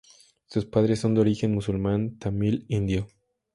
Sus padres son de origen musulmán tamil indio.